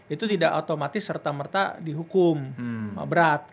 itu tidak otomatis serta merta dihukum berat